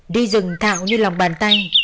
đi rừng thạo như lòng bàn tay